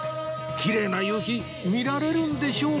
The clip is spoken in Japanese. きれいな夕日見られるんでしょうか？